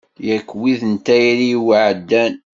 Yak wid n tayri-w ɛeddan.